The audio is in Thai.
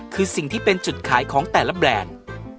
คือสิ่งที่เป็นจุดขายของแต่ละแบรนด์